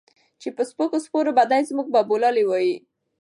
چې پۀ سپکو سپورو به دے زمونږ بابولالې وائي